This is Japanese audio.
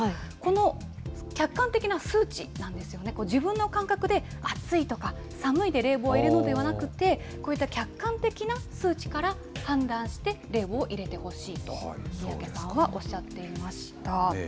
これ、大切なのは、この客観的な数値なんですよね、自分の感覚で、暑いとか、寒いで冷房を入れるのではなくて、こういった客観的な数値から判断して、冷房を入れてほしいと、三宅さんはおっしゃっていました。